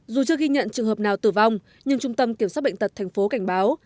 dù chưa ghi nhận trường hợp nào tử vong nhưng trung tâm kiểm soát bệnh tật tp cảnh báo